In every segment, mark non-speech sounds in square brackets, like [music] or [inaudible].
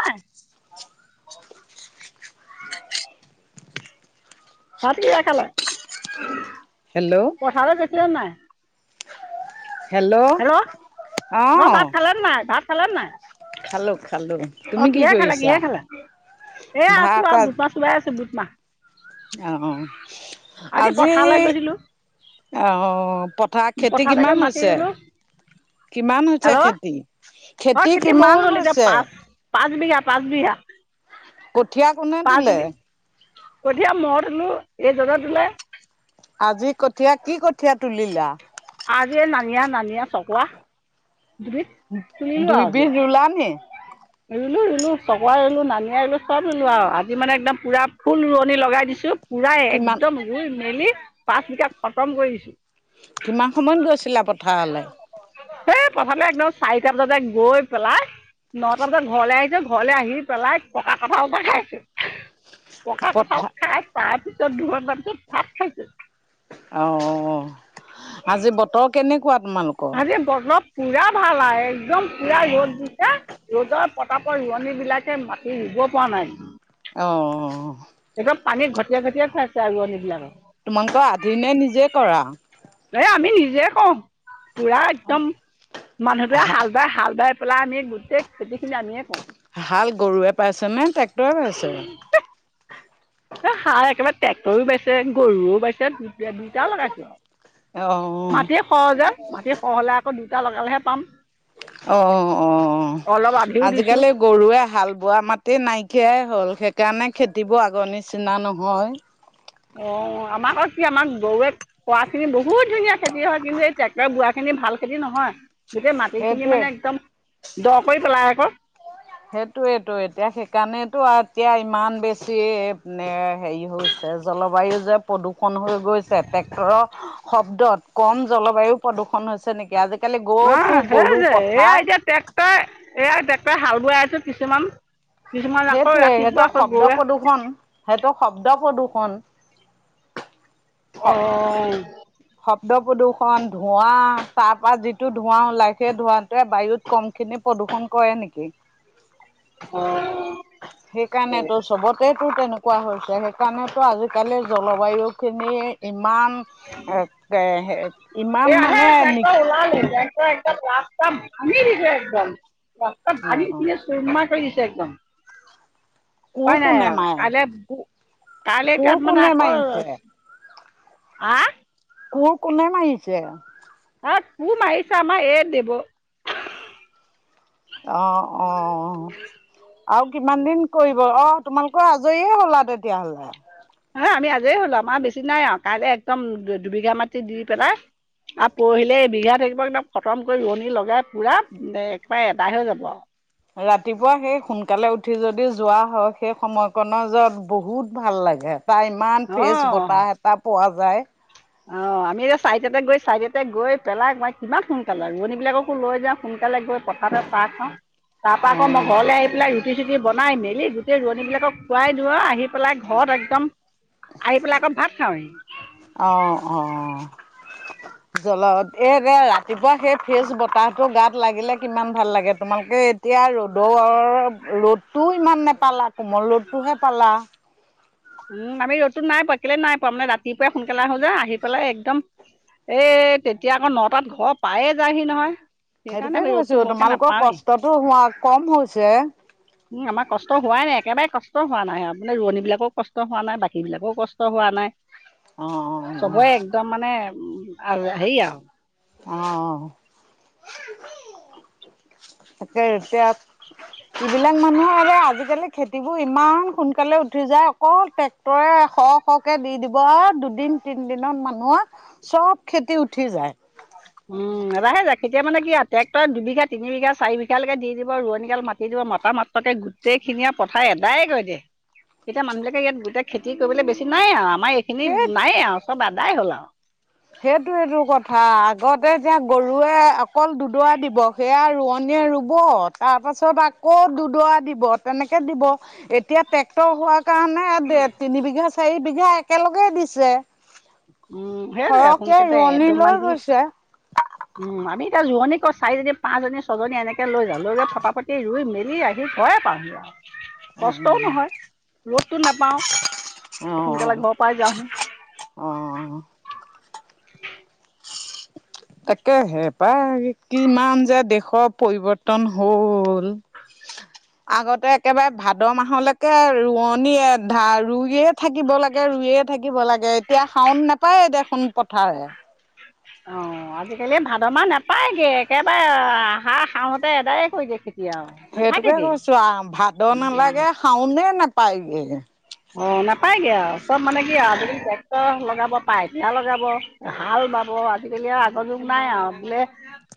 [unintelligible] ভাত কিহেৰে খালে হেল্ল পথাৰলে গৈছিলা নাই হেল্ল অ ভাত খালা নে নাই ভাত খালা নে নাই খালো খালো অ তুমি কি কিহে খালে কৰিছা কিহে খালে এ আছো ভাত আৱ বুট মাহ চোবাই আছো বুট মাহ অ অ আজি পথাৰলৈ গৈছিলোঁ অ পথা খেতি পথাৰলৈ কিমান গৈ মাটি হৈছে ৰুলো কিমান হৈছে হেল্ল' খেতি অ খেতি কিমান বহুত হ'ল এতিয়া হৈছে পাঁচ পাঁচ বিঘা পাঁচ বিঘা কঠীয়া কোনে তোলে কঠিয়া মই তোলো এই জনো তোলে আজি কঠীয়া কি কঠীয়া তুলিলা আজি নানীয়া নানীয়া চকোৱা দুবিধ দুই বিধ ৰুলা নি ৰুলো ৰুলো চকোৱা ৰুলো নানিয়া ৰুলো চব ৰুলো আৱ আজি মানে একদম পূৰা ফুল ৰোৱনী লগাই দিছোঁ পুৰা কিমান একদম ৰুই মেলি পাঁচ বিঘা খতম কৰি দিছো কিমান সময়ত গৈছিলা পথাৰলে সেই পথাৰলে একদম চাৰিটা বজাতে গৈ পেলাই তাৰপিচত ঘৰলে আহিছো ঘৰলে আহি পেলাই পকা কঠাল এটা খাই আছো পকা কঠাল পথাৰ খাই তাৰ পিছত [unintelligible] ভাত খাইছো অ অ আজি বতৰ কেনেকুৱা তোমালোকৰ আজি বতৰ পুৰা ভাল আহ একদম পুৰা ৰ'দ দিছে ৰ'দৰ পতাপত ৰোৱনী বিলাকে মাতি ৰুব পৰা নাই। অ এইয়া পানী ঘটীয়া ঘটিয়াই খাই আছে ৰুৱনী বিলাক তোমালোকৰ আধি নে নিজে কৰা। এই আমি নিজে কওঁ। পুৰা একদম মানুহটোৱে হা হাল বাই হাল বাই পেলাই আমি গোটেই খেতি খিনি আমিয়ে কৰওঁ। ভাল গৰুৱে পাইছেনে ট্ৰেক্টৰে পাইছে। সাৰ একেবাৰে ট্ৰেক্টৰো বাইছে গৰুও বাইছে দু দুইটাও লগাইছো আৰু- অ মাটি সহজ যে মাটি খৰহ হলে আকৌ দুইটা লগালেহে পাম। অ অ অলপ আধিও দিছোঁ আজিকালি গৰুৱে হাল বোৱা মাটি নাইকিয়াই হ'ল সেইকাৰণে খেতিবোৰ আগৰ নিচিনা নহয়। অ আমাৰ কি আমাৰ গৰুৱে, খোৱা খিনি বহুত ধুনীয়া খেতি হয়। কিন্তু এই ট্ৰেক্টৰ বুঢ়া খিনি ভাল খেতি নহয় গোটেই মাটিখিনি সেইটোৱে মানে একদম দ কৰি পেলাই আকৌ- সেইটোয়েতটো এতিয়া সেইকাৰণেতো এতিয়া ইমান বেছি এ হেৰি হৈছে। জলবায়ু, যে প্ৰদূষণ হৈ গৈছে ট্ৰেক্টৰৰ- শব্দত কম জলবায়ু প্ৰদূষণ হৈছে নেকি। আজি- অ সেই যে এয়া এতিয়া ট্ৰেক্টৰ এয়া ট্ৰেক্টৰ হাল বাই আছো কিছুমান- কিছুমান আকৌ সেইটোৱে ৰাতিপুৱা সেইটো আকৌ শব্দ গৰুৱে প্ৰদূৰ্ষণ। সেইটো শব্দ প্ৰদূৰ্ষন স অ' শব্দ প্ৰদূষণ, ধোঁৱা, তাৰ পৰা যিটো ধোৱা ওলাই সেই ধোঁৱটোৱে বায়ুত কম খিনি প্ৰদূষণ কৰে নেকি? অ সেইকাৰণেতো চবতেতো তেনেকুৱা হৈছে। সেইকাৰণেতো আজিকালি জলবায়ু খিনি ইমান এ ইমান এ আহে মানে নি টেক্টৰ ওলালেই টেক্টৰ ৰাস্তা ভাঙি দিছে একদম ৰাস্তাত অ ভাঙি অ পনে চুৰমা কৰি দিছে একদম- কোৰ হয় নাই কোনে আৰু কাইলৈ মাৰে কাইলে কোৰ এতিয়া মানে কোনে মাৰিছে আকৌ- হা কুৰ কোনে মাৰিছে-? হা কুৰ মাৰিছে আমাৰ এ দিব অ অ আৰু কিমান দিন কৰিব অ তোমালোকৰ আজ জৰিয়ে হলা তেতিয়াহ'লে হ আমি আজেই হ'লো আমাৰ বেছি নাই আৰু কাইলৈ একদম দুবিঘা মাটি দি পেলাই আৰু পৰহিলে এই বিঘা থাকিব একদম কটম কৰি ৰোৱনী লগাই পুৰা একবাৰে এদাই হৈ যাব। আৰু ৰাতিপুৱা সেই সোনকালে উঠি যদি যোৱা হয় সেই সময়কণনৰ যত বহুত ভাল লাগে। ত ইমান ফ্ৰেছ বতাহ এটা পোৱা যায়। অ আমি এতিয়া চাৰিটাত গৈ চাৰিটাত গৈ পেলাই মই কিমান সোনকালে ৰোৱনী বিলাককো লৈ যাওঁ সোনকালে গৈ পথতে চাহ খাওঁ তাৰ পৰা আকৌ মই ঘৰলৈ আহি পেলাই। ৰুটি চুটি বনাই মেলি গোটেই ৰোৱজনীবিলাকক খোৱাই দিওঁ আৰু আহি। পেলাই ঘৰত একদম আহি পেলাই আকৌ ভাত খাওঁহি। অ অ জল এই দে ৰা। ৰাতিপুৱা সেই ফ্ৰেচ বতাহটো গাত লাগিলে কিমান ভাল লাগে তোমালোকে- এতিয়া ৰ'দৰ ৰ'দটোও ইমান নেপালা কোমল ৰ'দটোহে পালা। উম আমি ৰ'দতো নাই পোৱা্ এক কেলে নাই পোৱা মানে ৰাতিপুৱাই সোনকালে হ'ল যে আহি পেলাই একদম এই তেতিয়া আকৌ নটাত ঘৰ পায়ে যায়হি নহয়। সেইকাৰণে সেইটোকে আমি ৰ'দটো কৈছো বৰকৈ তোমালোকৰ নাপাওঁৱেই কষ্টতো হোৱা কম হৈছে। উম আমাৰ কষ্ট হোৱাই নাই একেবাৰে কষ্ট হোৱা নাই আও, মানে ৰোৱনী বিলাকও কষ্ট হোৱা নাই বাকী বিলাকও কষ্ট হোৱা নাই অ অ চবৰে একদম মানে উ আ হেৰি আও অঁ [unintelligible] তাকে এতিয়া যিবিলাক মানুহে যে আজিকালি খেতিবোৰ ইমান সোনকালে উঠি যায়। অকল ট্ৰেক্টৰে শ শকে দি দিব আও দুদিন তিন দিনত মানুহৰ চব খেতি উঠি যায়। উম এবাৰহে যায়, কেতিয়া মানে কি আও ট্ৰেক্টৰে দুবিঘা, তিনিবিঘা, চাৰিবিঘালেকে দি দিব ৰোৱনী গাল মা মাতি দিব মতা মাত্ৰকে গোটেইখিনিয়ে পথাৰ এদায় কৰি দিয়ে। এতিয়া মানুহবিলাকে ইয়াত গোটেই খেতি কৰিবলে বেছি নাই আও, আমাৰ এইখিনি সেই নায়ে আও চব আদায় হ'ল আও। সেইটোৱে টো কথা আগতে যে গৰুৱে অকল দুডৱা দিব। সেয়া ৰোৱনীয়ে ৰুব তাৰপাছত আকৌ দুডৱা দিব তেনেকে দিব। এতিয়া ট্ৰেক্টৰ হোৱাৰ কাৰণে দে তিনিবিঘা, চাৰবিঘা একেলগে দিছে। উম। সেইটোৱে সৰহকে সোনকালে ৰোৱনী এদমমান লৈ দি গৈছে। উম আমি এতিয়া ৰোৱনী ক চাৰিজনী, পাঁচজনী, ছজনী এনেকে লৈ যাওঁ, লৈ গৈ ফটা ফটি ৰুই মেলি আহ- আহি ঘৰে পাওঁহি আও। কষ্টও নহয়, ৰ'দটো নোপাওঁ, সোনকালে ঘৰৰ পাই যাওঁহি। অঁ অঁ অঁ অ। তাকেহে পাই, কিমান যে দেশৰ পৰিৱৰ্তন হল! [inaudible] আগতে একেবাৰে ভাদ মাহলেকে ৰোৱনীয়ো ধা ৰুইয়ে থাকিব লাগে ৰুইয়ে থাকিব লাগে এতিয়া শাওন নোপায় দেখোন পথাৰে। অ আজিকালি ভাদ মাহ নাপায়গে একেবাৰে আহাৰ শাওনতে এদায় কৰি দিয়ে খেতি আও। সেইটোকে কৈছো আও, ভাদ নেলাগে শাওনে নোপায়গে। অ নাপায়গে আও, চব মানে কি আও আজি কালি ট্ৰেক্টৰ লগাব, পাইটিলা লগাব। হাল বাব আজিকালি আও আগৰ যুগ নাই আও বোলে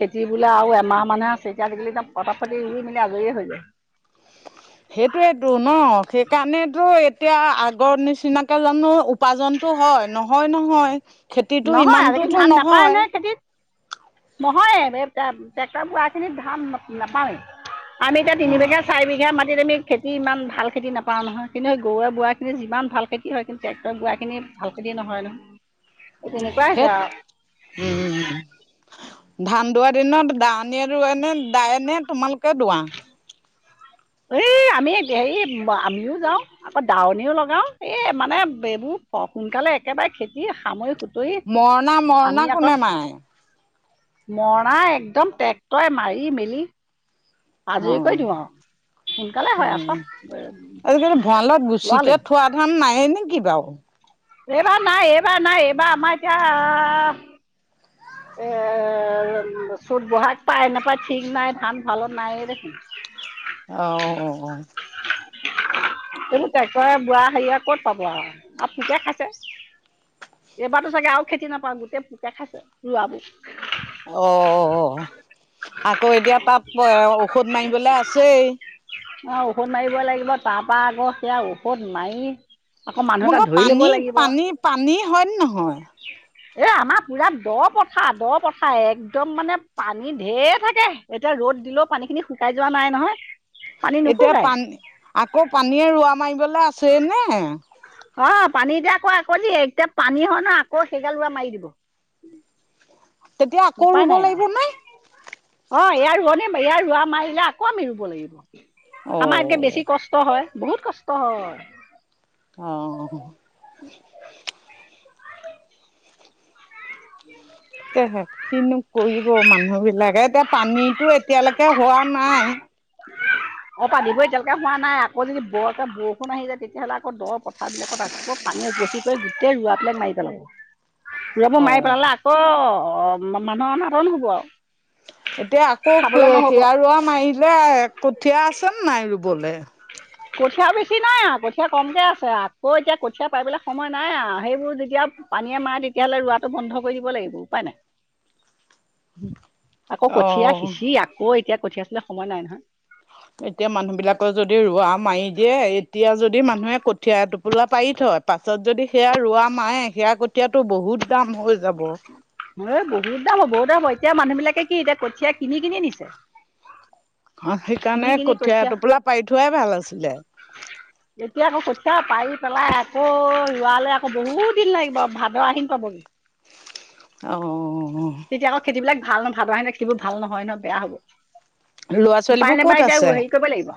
খেতি বোলে আৰু এমাহ মানুহে আছে এতিয়া আজিকালি এতিয়া ফটা ফটি ৰুই মেলি আজৰিয়ে হৈ যায়। সেইটোৱেটো ন? সেইকাৰণেতো এতিয়া আগৰ নিচিনাকে জানো উপাৰ্জনটো হয় নহয় নহয়, খেতিটো নহয় আজিকালি ইমানটোতো ধান নাপায় নহয়। খেতিত নহয় ট্ৰেক্টৰ বোৱা খিনিত ধান নাপাওঁৱেই আমি এতিয়া অ' তিনিবিঘা চাৰি বিঘা মাটিত আমি খেতি ইমান ভাল খেতি নেপাওঁ নহয়, কিন্তু সেই গৰুৱে বোৱাখিনিত যিমান ভাল খেতি কি হয় কিন্তু ট্ৰেক্টৰ বোৱাখিনিত ভাল খেতি নহয় নহয়, তেনেকুৱা হৈছে আও। উম উম উম্ উম্ ধান দোৱাৰ দিনত দা ৱনীয়ে নে দাইনে তোমালোকে দুৱা? এই আমি হেৰি আমিও যাওঁ। আকৌ দাৱনিও লগাও, এই মানে এইবোৰ সোনকালে একেবাৰে খেতি সামৰি হো তই মৰণা মৰণা আমি আক কোনে মাৰে? মৰনা একদম ট্ৰেক্টৰে মাৰি মেলি অ আজৰি কৰি দিওঁ আৰু সোনকালে অ হয় আৰু চব আজিকালি ভঁৰালত গুছিকে ল'ৰালৰি থোৱা ধান নাইয়ে নেকি বাও? এইবাৰ নাই এইবাৰ নাই এইবা আমাৰ এতিয়া এ চুত বহাগ পায় নেপায় ঠিক নাই, ধান ভঁৰালত নাইয়ে দেখোন। অঁ অঁ অঁ। এইনবোৰ ট্ৰেক্টৰে বোৱা সেৰিয়, ক'ত পাব আৰু। আৰু পোকে খাইছে। এইবাৰতো চাগে আৰু খেতি নাপাওঁ, গোটেই পোকে খাইছে, ৰোৱাবোৰ। অ' অ' অ'! আকৌ, এতিয়া পৰা ঔষধ মাৰিবলৈ আছেই। অ'! ঔষধ মাৰিবই লাগিব। তাৰপৰা, আকৌ সেয়া, ঔষধ মাৰি, আকৌ মানুহ এটা তোমালোকৰ ধৰি ল'ব পানী, লাগিব পানী-পানী, হয় নে নহয়? এ, আমাৰ পূৰা দ পথাৰ, দ পথাৰ, একদম মানে, পানী ঢেৰ থাকে। এতিয়া, ৰ'দ দিলেও পানীখিনি শুকাই যোৱা নাই নহয়। পানী এতিয়া নুশুকাই পানী, আকৌ পানীয়ে, ৰোৱা মাৰিবলৈ আছেইনে? অ'! পানী এতিয়া আকৌ, আকৌ জীয়ে, পানী হয় নহয়, আকৌ সেইগাল ৰোৱা মাৰি দিলোঁ। তেতিয়া আকৌ উপায় ৰুব নাই আৰু। লাগিব নে? অ'! ইয়াৰ ৰোৱানীয়ে, ইয়াৰ ৰোৱা মাৰিলে, আকৌ আমি ৰোব অ লাগিব। আমাৰ এতিয়া, বেছি কষ্ট হয়, বহুত কষ্ট হয়! অ' অ'! [unintelligible] [unintelligible] কিনো, কৰিব মানুহ বিলাকে! এতিয়া, পানীতো এতিয়ালৈকে হোৱা নাই। অ'! পানীবোৰ এতিয়ালৈকে হোৱা নাই। আকৌ যদি, বৰকে বৰষুণ আহি যায়, তেতিয়াহ'লে, আকৌ দ পথাৰ বিলাকত, আ আকৌ, পানী উপচি লৈ, গোটেই ৰোৱাবিলাক মাৰি পেলাব। [inaudible] ৰোৱাবোৰ অ মাৰি পেলালে, আকৌ, মানুহৰ অনাতন হ'ব আৰু। এতিয়া আকৌ, খাবলৈ নহ'ব [unintelligible] ৰোৱা মাৰিলে, কঠীয়া আছে নাই ৰোবলে? [inaudible] কঠীয়া বেছি নাই আৰু কঠীয়া কমকে আছে। আকৌ এতিয়া, কঠীয়া পাৰিবলৈ সময় নাই আৰু। সেইবোৰ যেতিয়া, পানীয়ে মাৰে, তেতিয়ালৈ ৰোৱাটো বন্ধ কৰি দিব লাগিব। উপায় নাই! [inaudible] আকৌ, অ কঠীয়া সিঁচি, আকৌ এতিয়া, কঠীয়া তুলিবলে সময় নাই নহয়। এতিয়া, মানুহ বিলাকে যদি, ৰোৱা মাৰি দিয়ে, এতিয়া যদি মানুহে, কঠীয়া টোপোলা পাৰি থয়, পাছত যদি, সেয়া ৰোৱা মাৰে, সেয়া কঠিয়াটো বহুত দাম হৈ যাব। এ, বহুত দাম হয়, বহুত দাম হয়! এতিয়া, মানুহ বিলাকে, কি এতিয়া, কঠীয়া কিনি-কিনি নিছে? অ'! কিনি সেইকাৰণে, কিনি কঠীয়া এটোপোলা, পাৰি থোৱাই ভাল আছিলে। এতিয়া আকৌ, কঠীয়া পাৰি পেলাই আকৌ, ৰোৱালে আকৌ, বহুত দিন লাগিব, ভাদ-আহিন পাবগে। অ' অ' অ' অ'! এতিয়া আকৌ, খেতিবিলাক ভাল ন' ভাদ-আহিনৰ খেতিবোৰ ভাল নহয় ন', বেয়া হ'ব। উপায় ল'ৰা-ছোৱালীবোৰ নাপায় ক'ত এতিয়া আছে? হেৰি কৰিব লাগিব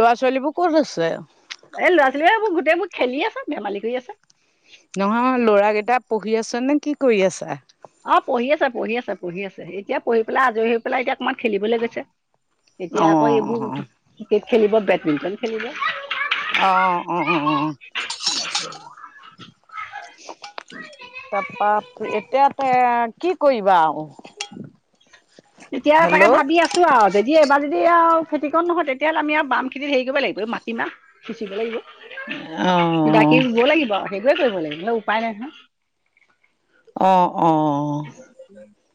ল'ৰা- ছোৱালীবোৰ ক'ত আছে? এই ল'ৰা-ছোৱালী, এইবোৰ গোটেইবোৰ, খেলি আছে, ধেমালী কৰি আছে। নহয়, ল'ৰাকেইটা পঢ়ি আছে নে, কি কৰি আছে? অ'! পঢ়ি আছে, পঢ়ি আছে, পঢ়ি আছে। এতিয়া, পঢ়ি পেলাই, আজৰি হৈ পেলাই, এতিয়া অকমমান খেলিবলৈ গৈছে। এতিয়া, আকৌ এইবোৰ, অ', ক্ৰিকেট খেলিব, বেডমিন্টন খেলিব। অ'! অ'-অ'-অ'! তাৰপৰা, এতিয়াতে কি কৰিবা আৰু? এতিয়া তাকে, হেল্ল'। ভাবি আছোঁ! যদি, এবাৰ যদি আৰু খেতিকন নহয়, তেতিয়া হ'লে, আমি আৰু বাম খেতিত সেৰি কৰিব লাগিব, এই মাটিমাহ সিচিব লাগিব। অঁ। বাকী ৰুব লাগিব সেইটোৱে কৰিব লাগিব বানলে উপায় নাই নহয়। অঁ অঁ। উ [inaudible]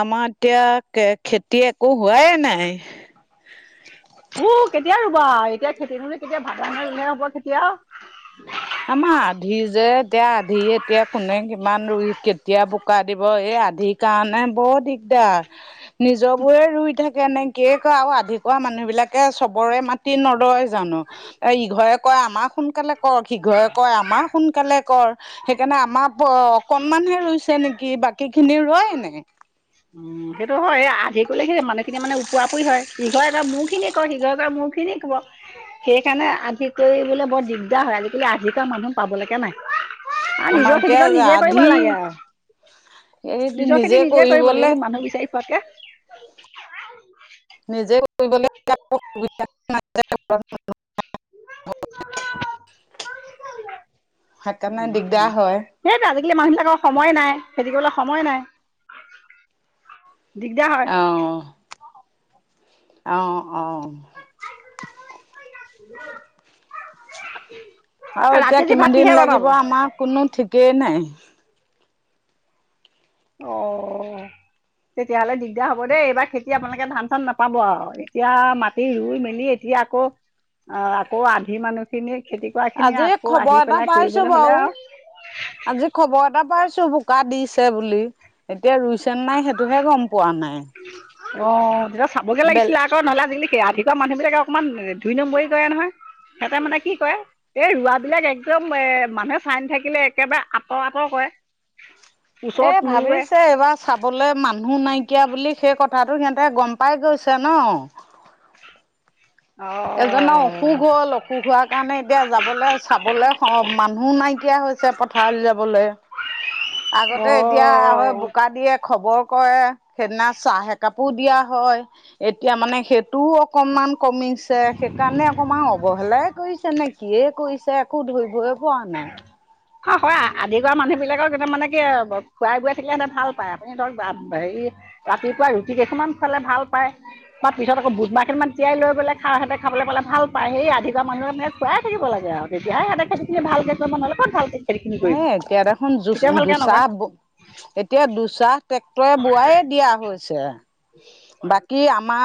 আমাৰ এতিয়া খেতি একো হোৱাই নাই। উ কেতিয়া ৰুবা, এতিয়া খেতি নুৰুই কেতিয়া ভাদা মাহত ৰুলে হ'বা কেতিয়া। আমাৰ আধি যে এতিয়া আধি এতিয়া কোনে কিমান ৰুই কেতিয়া বোকা দিব এই আধি। সেইকাৰণে বৰ দিগদাৰ। দিগদাৰ নিজ বোৰে ৰুই থাকে নে কিয়ে কৰে আৰু আধি খোৱা মানুহ বিলাক। তাকে চবৰে মাতি নলয় জানো, ত ইঘৰে কয় আমাক সোনকালে। কৰ শিঘৰে কয় আমাৰ সোনকালে কৰ। সেইকাৰণে আমাৰ অকনমানহে ৰুইছে নেকি বাকী খিনি ৰোৱ নাই। উম। উম, সেইটো হয় আধি কলে সি মানুহখিনি মানে ওপৰাপুৰি হয় ইঘৰে এটা মূৰ খিনিয়ে ক সিঘৰে এৰ মূৰ খিনিয়ে কব। সেই কাৰণে আধি কৰিবলে বৰ দিগদাৰ হয় আজিকালি আধি কৰা মানুহ পাবলৈকে নাই। আৰু আমাৰ নিজৰ খেতিখন এতিয়া নিজে কৰিব আধি লাগে আৰু। এই নিজৰ খেতি নিজে কৰিব কৰিবলে লাগিব মানুহ বিচাৰি ফুৰাতকৈ। নিজে কৰিবলৈ লাগে। উম হ [inaudible] সেইটোৱেই আজিকালি সেইকাৰণে মানুহবিলাকৰ দিগদাৰ সময়ে হয় নাই খেতি কৰিবলৈ সময়েই নাই।। দিগদাৰ হয় অঁ। অঁ অঁ। [inaudible] আৰু এতিয়া ৰাতি আজি ভাত কিমান দিন কিহে বনাব লাগিব আমাৰ কোনো ঠিকেই নাই। অঁ। তেতিয়াহ'লে দিগদাৰ হব দেই এইবাৰ খেতি আপোনালোকে ধান চান নাপাব আৰু এতিয়া মাটি ৰুই মেলি এতিয়া। আকৌ অ আকৌ আধি মানুহ। খিনি খেতি কৰা খিনি আজি আকৌ আহি খবৰ এটা পেলাই পাইছো কৰিবলৈ হ'লে বাৰু আৰু। আজি খবৰ এটা পাইছো বোকা দিছে বুলি এতিয়া ৰুইছে। নাই সেইটোহে গম পোৱা নাই অঁ তেতিয়া চাবগৈ বলে। লাগিছিলে আকৌ নহলে আজিলি সময়ত আধি কৰা মানুহ বিলাকে অকণমান দুই নম্বৰী কৰে নহয় সিহঁতে মানে কি কৰে। এই ৰোৱাবলাক একদম এ মানুহে চাই নথাকিলে একেবাৰে আঁতৰ আঁতৰ কৰে। ওচৰত এ নোৰোৱে ভাবিছে এইবাৰ। চাবলৈ মানুহ নাইকিয়া বুলি সেই কথাটো সিহঁতে গম পাই গৈছে ন। অ এজনও। অসুখ হ'ল অসুখ হোৱাৰ কাৰণে এতিয়া যাবলৈ চাবলৈ মানুহ নাইকিয়া হৈছে। পথাৰলৈ যাবলৈ অ আগতে এতিয়া হয় বোকা দিয়ে খবৰ কৰে। সেইদিনা চাহ একাপো দিয়া হয়, এতিয়া মানে সেইটোও অকনমান কমিছে। সেইকাৰণে অকণমান অৱহেলাই কৰিছে নে কি কৰিছে একো ধৰিবই পৰা নাই। উম। অ' হয় আধি কৰোৱা মানুহ বিলাকক এয়া মানে কি খুৱাই বুৱাই থাকিলে সিহতে ভাল পায় আপুনি ধৰক হেৰি। ৰাতিপুৱা ৰুটি কেইখনমান খালে ভাল পায়। বাৰ পিছত আক বুদমাহ কেইটামান তিয়াই লৈ গলে খাবলৈ পাল ভাল পায় সেই আধি কৰা মানুহক মানে খুৱাই থাকিব লাগে আৰু। তেতিয়া সিহতে খেতি খিনি ভালকে কৰিব নহলে কত ভালকে। খেতিখিনি কৰিব হ তেতিৰাখন কেতিয়াও জ ভালকে জোচা নকৰে [unintelligible] এতিয়া দুচাহ ট্ৰেক্টৰে বোৱাই দিয়া হৈছে, বাকী আমাৰ